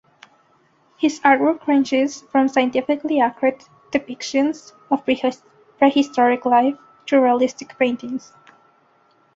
His artwork ranges from scientifically accurate depictions of prehistoric life to surrealist paintings.